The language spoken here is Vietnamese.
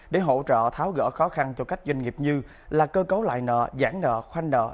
để hỗ trợ tháo gỡ khó khăn cho các doanh nghiệp như là cơ cấu lại nợ giãn nợ khoanh nợ